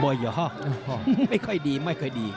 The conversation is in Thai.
บ่อยหรอไม่ค่อยดีไม่ค่อยดี